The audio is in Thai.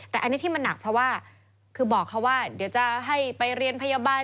แต่อันนี้ที่มันหนักเพราะว่าคือบอกเขาว่าเดี๋ยวจะให้ไปเรียนพยาบาล